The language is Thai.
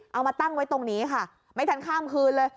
เอามาตั้งไว้ตรงนี้ค่ะไม่ทันข้ามคืนเลย